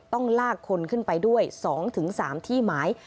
ต้องลากคนขึ้นไปด้วย๒๓ที่หมาย